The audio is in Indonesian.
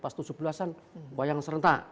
pas tujuh belas an wayang serentak